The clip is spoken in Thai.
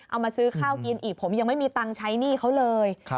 เอามาซื้อข้าวกินอีกผมยังไม่มีตังค์ใช้หนี้เขาเลย